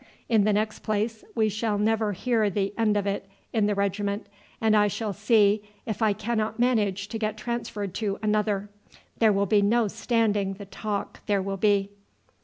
In the next place we shall never hear the end of it in the regiment, and I shall see if I cannot manage to get transferred to another. There will be no standing the talk there will be."